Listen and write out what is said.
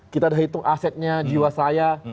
kita udah hitung asetnya jiwa saya